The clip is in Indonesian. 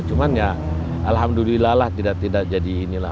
cuma ya alhamdulillah lah tidak tidak jadi ini lah